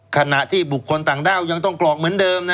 ขณะที่บุคคลต่างด้าวยังต้องกรอกเหมือนเดิม